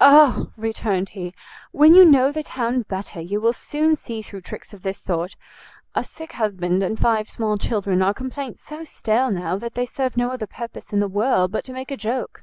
"O," returned he, "when you know the town better you will soon see through tricks of this sort; a sick husband and five small children are complaints so stale now, that they serve no other purpose in the world but to make a joke."